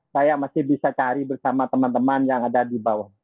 saya masih bisa cari bersama teman teman yang ada di bawah